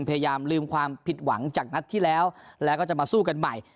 พยายามลืมความผิดหวังจากนัดที่แล้วแล้วก็จะมาสู้กันใหม่